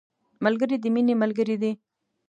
ملګری د مینې ملګری دی